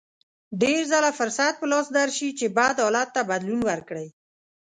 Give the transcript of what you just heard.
ډېر ځله فرصت په لاس درشي چې بد حالت ته بدلون ورکړئ.